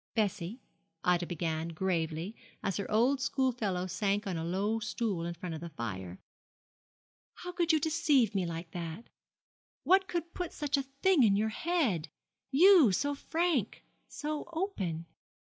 'Bessie,' Ida began, gravely, as her old schoolfellow sat on a low stool in front of the fire, 'how could you deceive me like that? What could put such a thing in your head you, so frank, so open?'